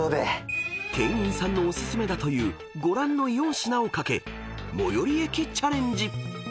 ［店員さんのお薦めだというご覧の４品を懸け最寄駅チャレンジ］